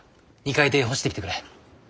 ２階で干してきてくれ。